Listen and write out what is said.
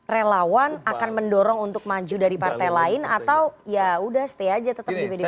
relawan akan mendorong untuk maju dari partai lain atau ya udah stay aja tetap di pdi perjuangan